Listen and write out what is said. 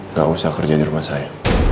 nggak usah kerja di rumah saya